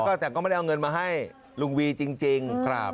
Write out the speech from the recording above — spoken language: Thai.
ก็แต่ก็ไม่ได้เอาเงินมาให้ลุงวีจริงครับ